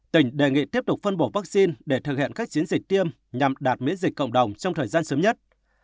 tỉnh đề nghị tiếp tục phân bổ vaccine để thực hiện các chiến dịch tiêm nhằm đạt miễn dịch cộng đồng trong thời gian sớm nhất